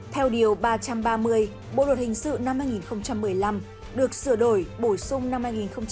theo điều ba trăm ba mươi bộ luật hình sự năm hai nghìn một mươi năm được sửa đổi bổ sung năm hai nghìn một mươi bảy